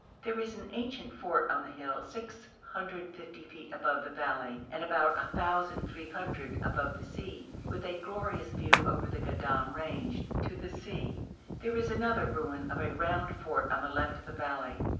There is an ancient fort on a hill 650 feet above the valley, and about 1,300 above the sea, with a glorious view over the Goddam range to the sea. There is another ruin of a round fort on the left of the valley.